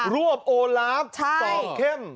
วบโอลาฟสอบเข้ม